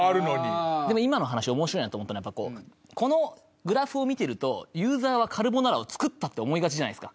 でも今の話面白いなと思ったのはやっぱこのグラフを見てるとユーザーはカルボナーラを作ったって思いがちじゃないですか。